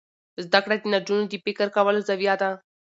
زده کړه د نجونو د فکر کولو زاویه بدلوي.